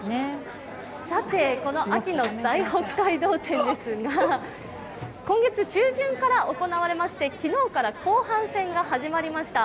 この秋の大北海道展ですが今月中旬から行われまして昨日から後半戦が始まりました。